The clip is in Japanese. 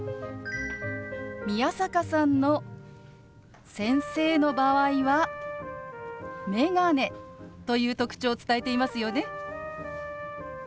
宮坂さんの先生の場合は「メガネ」という特徴を伝えていますよね。